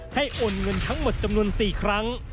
ให้เอ่อนเงินทั้งหมดจำนวน๔ด้าน